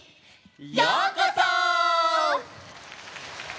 ようこそ！